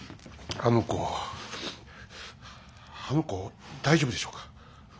あの子大丈夫でしょうか。